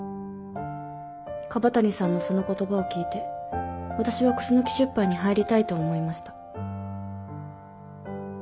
椛谷さんのその言葉を聞いて私はクスノキ出版に入りたいと思いました。